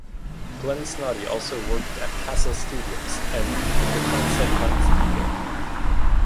Glenn Snoddy also worked at Castle Studios and The Quonset Hut Studio.